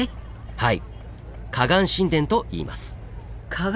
はい。